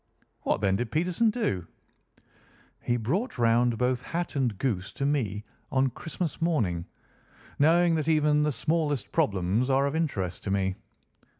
"What, then, did Peterson do?" "He brought round both hat and goose to me on Christmas morning, knowing that even the smallest problems are of interest to me.